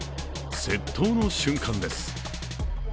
窃盗の瞬間です。